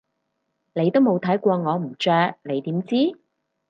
你都冇睇過我唔着你點知？